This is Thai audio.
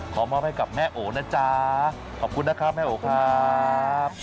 มอบให้กับแม่โอนะจ๊ะขอบคุณนะครับแม่โอครับ